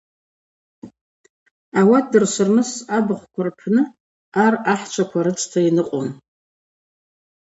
Ауат дыршварныс абыхъвква рпны ар ахӏчваква рыцхта йныкъвун.